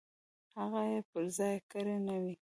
هغه یې پر ځای کړې نه وي.